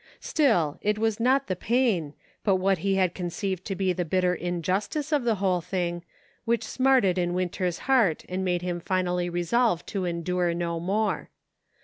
Still, it was not the pain, but what he had conceived to be the bitter injustice of the whole thing, which smarted in Winter's heart and made him finally resolve to endure no more.